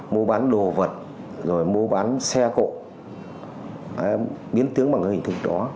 mua bán đồ vật rồi mua bán xe cộ biến tướng bằng cái hình thức đó